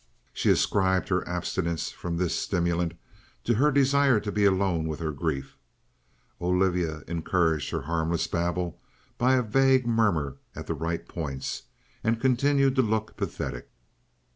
She ascribed her abstinence from this stimulant to her desire to be alone with her grief. Olivia encouraged her harmless babble by a vague murmur at the right points, and continued to look pathetic.